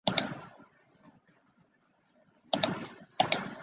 鲁多夫卡市镇是俄罗斯联邦伊尔库茨克州日加洛沃区所属的一个市镇。